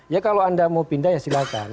ya kalau anda mau pindah ya silahkan